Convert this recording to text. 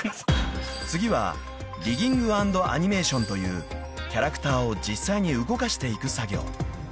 ［次はリギング＆アニメーションというキャラクターを実際に動かしていく作業］